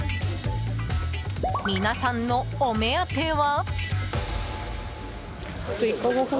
皆さんの、お目当ては。